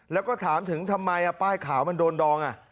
แล้วก็ถามถึงทำไมป้ายขาวมันโดนดอง